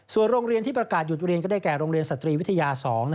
ส่วนโรงเรียนที่ประกาศหยุดเรียนก็ได้แก่โรงเรียนสตรีวิทยา๒